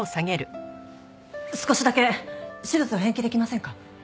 少しだけ手術を延期できませんか？